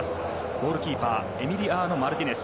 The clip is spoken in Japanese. ゴールキーパーエミリアーノ・マルティネス。